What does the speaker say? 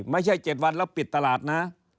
ไม่ใช่๗วันแล้วปิดตลาดนะ